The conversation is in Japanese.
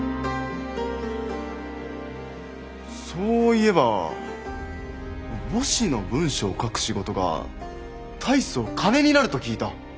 そういえば墓誌の文章を書く仕事が大層金になると聞いた。